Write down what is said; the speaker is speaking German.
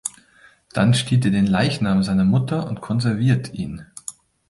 Dann stiehlt er den Leichnam seiner Mutter und konserviert ihn.